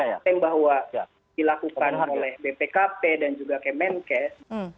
yang bahwa dilakukan oleh bpkp dan juga kemenkes